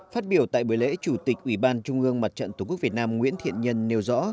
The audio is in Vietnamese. phát biểu tại buổi lễ chủ tịch ủy ban trung ương mặt trận tổ quốc việt nam nguyễn thiện nhân nêu rõ